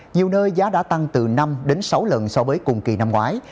nhiều nơi giá đã tăng từ năm đến sáu lần so với cùng kỳ năm ngoái